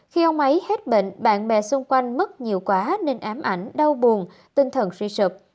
khi ông máy hết bệnh bạn bè xung quanh mất nhiều quá nên ám ảnh đau buồn tinh thần suy sụp